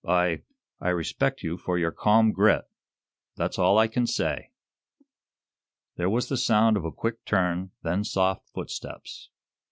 I I respect you for your calm grit that's all I can say." There was the sound of a quick turn, then soft footsteps.